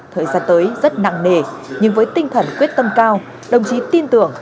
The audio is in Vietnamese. thời gian tới rất nặng nề nhưng với tinh thần quyết tâm cao đồng chí tin tưởng